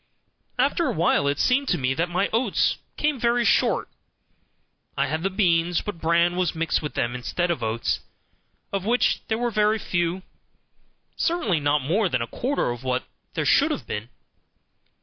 After awhile it seemed to me that my oats came very short; I had the beans, but bran was mixed with them instead of oats, of which there were very few; certainly not more than a quarter of what there should have been.